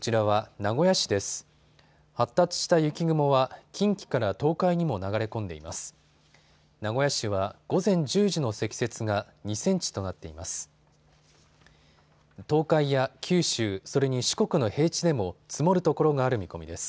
名古屋市は午前１０時の積雪が２センチとなっています。